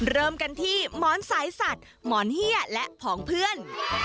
เริ่มกันที่หมอนสายสัตว์หมอนเฮียและผองเพื่อน